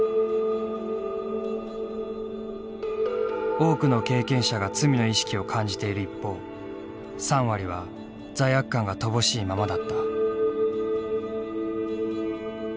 多くの経験者が罪の意識を感じている一方３割は罪悪感が乏しいままだった。